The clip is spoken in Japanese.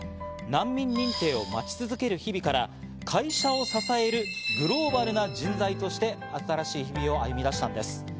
難民認定を待ち続ける日々から会社を支えるグローバルな人材として新しい日々を歩み出したんです。